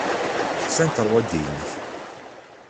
Ḥfant rrwaḍi-inek.